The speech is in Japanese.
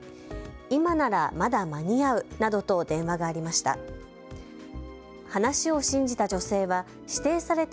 今ならまだ間に合うなどと電話がありました。